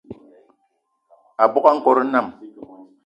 Abogo a nkòt nnam